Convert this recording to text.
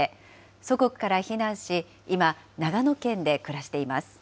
祖国から避難し、今、長野県で暮らしています。